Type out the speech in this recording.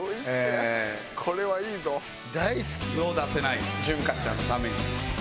素を出せない潤花ちゃんのために。